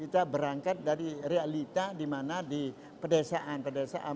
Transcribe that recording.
kita berangkat dari realita di mana di pedesaan pedesaan